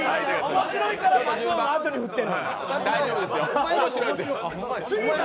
面白いから松尾の後に振ってるの。